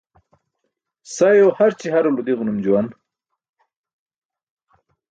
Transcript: Sayo harci harulo di̇ġanum juwan.